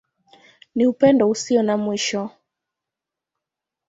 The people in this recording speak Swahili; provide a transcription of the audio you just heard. Ni Upendo Usio na Mwisho.